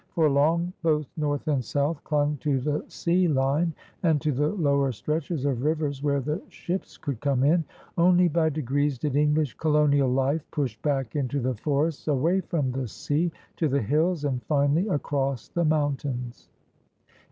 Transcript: For long, both North and South clung to the sea line and to the lower stretches of rivers where the ships could come in. Only by degrees did English colonial life push back into the forests away from the sea, to the hills, and finally across the mountains.